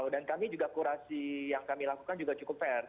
dan kami juga kurasi yang kami lakukan juga cukup fair